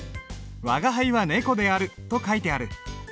「吾輩は猫である」と書いてある。